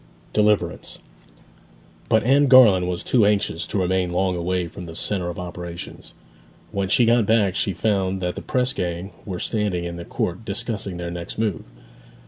DELIVERANCE But Anne Garland was too anxious to remain long away from the centre of operations. When she got back she found that the press gang were standing in the court discussing their next move.